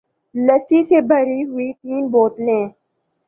لسی سے بھری ہوئی تین بوتلیں